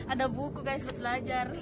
ada buku guys belajar